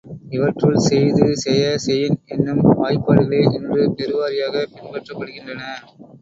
இவற்றுள், செய்து, செய, செயின் என்னும் வாய்பாடுகளே இன்று பெருவாரியாகப் பின்பற்றப்படுகின்றன.